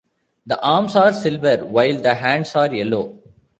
The arms are silver, while the hands are yellow.